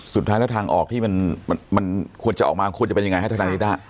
สุดท้ายแล้วทางออกที่มันควรจะออกมาควรจะเป็นยังไงฮะทนายนิด้า